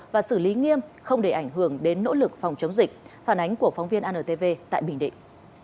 và xử lý nghiêm không để ảnh hưởng đến nỗ lực phòng chống dịch phản ánh của phóng viên antv tại bình định